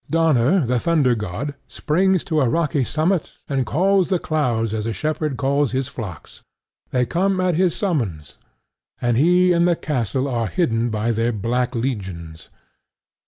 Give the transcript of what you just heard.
Donner, the Thunder god, springs to a rocky summit and calls the clouds as a shepherd calls his flocks. They come at his summons; and he and the castle are hidden by their black legions.